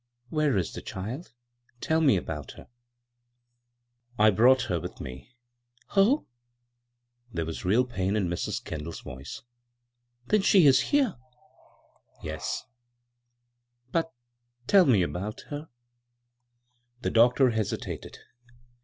"Where is the child? Tell me about her." "I brought her with me." ' Oh I" There was real pain in Mrs. Ken dall's voice. " Then she is here 1 "" Yes." " But — tell me about her." The doctor hesitated.